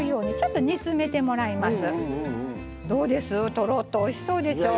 とろっとおいしそうでしょう？